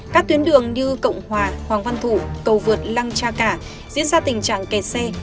các tuyến đường như cộng hòa hoàng văn thủ cầu vượt lăng cha cả diễn ra tình trạng kẹt xe